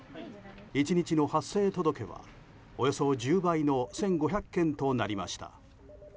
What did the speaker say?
１日の発生届は、およそ１０倍の１５００件となりました。